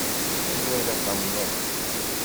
Anwa ara tamneḍ?